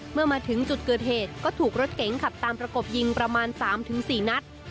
เมื่อมาถึงจุดเกิดเหตุก็ถูกรถเก๋งขับตามประกบยิงประมาณ๓๔นัด